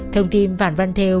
thông tin phạm văn thêu